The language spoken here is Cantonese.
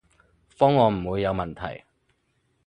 方案唔會有問題